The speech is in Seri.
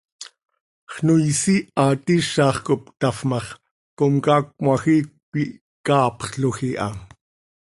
Xnoois ihaat iizax cop cötafp ma x, comcaac cmajiic quih caapxloj iha.